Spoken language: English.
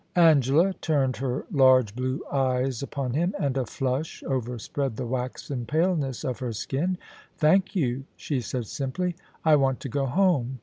* ANGELA. 113 Angela turned her large blue eyes upon him, and a flush overspread the waxen paleness of her skin. * Thank you/ she said simply, * I want to go home.